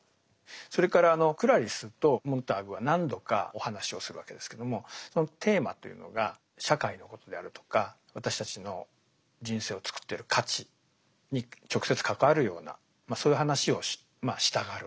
それからクラリスとモンターグは何度かお話をするわけですけどもそのテーマというのが社会のことであるとか私たちの人生をつくってる価値に直接関わるようなまあそういう話をしたがる。